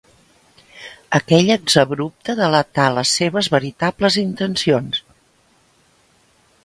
Aquell exabrupte delatà les seves veritables intencions.